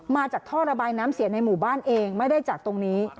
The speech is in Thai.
มาจากท่อระบายน้ำเสียในหมู่บ้านเองไม่ได้จัดตรงนี้